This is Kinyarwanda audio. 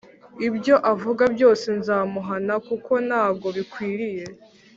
ibyo avuga byose Nzamuhana kuko ntago bikwiriye